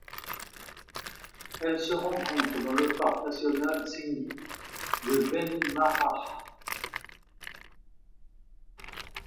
Elle se rencontre dans le parc national Tsingy de Bemaraha.